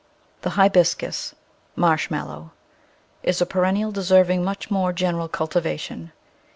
The Hibiscus (Marshmallow) is a perennial de serving much more general cultivation.